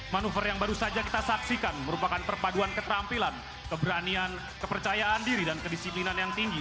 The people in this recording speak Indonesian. manuver yang baru saja kita saksikan merupakan perpaduan keterampilan keberanian kepercayaan diri dan kedisiplinan yang tinggi